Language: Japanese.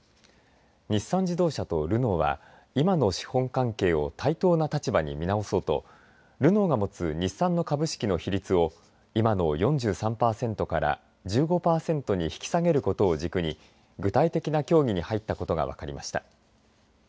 日産自動車とルノーは今の資本関係を対等な立場に見直そうとルノーが持つ日産の株式の比率を今の４３パーセントから１５パーセントに引き下げること軸に具体的な協議に入ったことが分かりました。